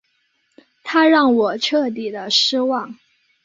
他让我彻底的失望